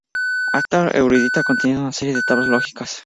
Acta erudita"", conteniendo una serie de tablas lógicas.